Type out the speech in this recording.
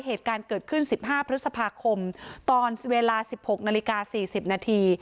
เหตุการณ์เกิดขึ้นสิบห้าพฤษภาคมตอนเวลาสิบหกนาฬิกาสี่สิบนาที